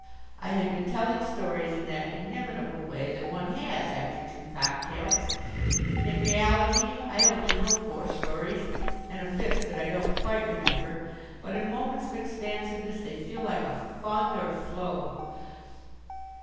I had been telling stories in that inimitable way that one has after two cocktails. In reality, I only know four stories, and a fifth that I don't quite remember, but in moments of expansiveness they feel like a fund or flow.